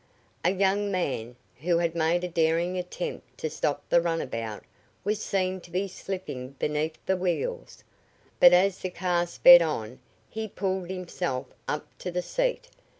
A young man, who had made a daring attempt to stop the runabout, was seen to be slipping beneath the wheels. But as the car sped on he pulled himself up to the seat.